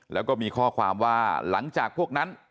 แล้วก็มีข้อความว่าหลังจากพวกนั้น